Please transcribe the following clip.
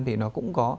thì nó cũng có